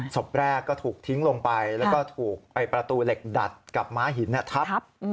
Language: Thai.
ศพแรกก็ถูกทิ้งลงไปแล้วก็ถูกประตูเหล็กดัดกับม้าหินทับ